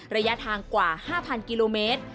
ระยะทางกว่า๕๐๐กิโลเมตร